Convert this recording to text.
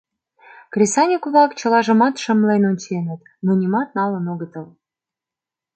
Кресаньык-влак чылажымат шымлен онченыт, но нимат налын огытыл.